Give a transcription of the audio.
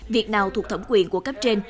việc nào thuộc thẩm quyền của cấp trên